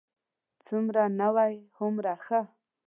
څومره نوی، هومره ښه.